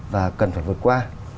và cần phải vượt qua